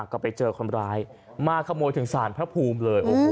ก็ไปเจอคนร้ายมาขโมยถึงสารพระภูมิเลย